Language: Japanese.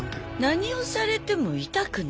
何をされても痛くない？